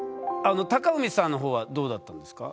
貴文さんの方はどうだったんですか？